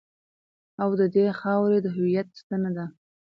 او د دې خاورې د هویت ستنه ده.